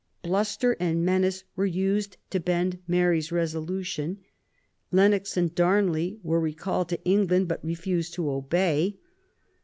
Bluster and menace were used to bend Mary's resolution ; Lennox and Darnley were recalled to England, but refused to obey.